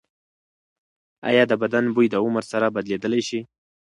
ایا د بدن بوی د عمر سره بدلیدلی شي؟